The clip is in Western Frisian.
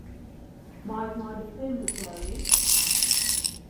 Mei ik mei de pin betelje?